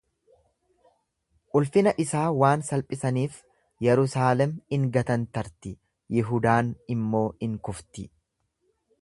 Ulfina isaa waan salphisaniif Yerusaalem in gatantarti, Yihudaan immoo in kufti.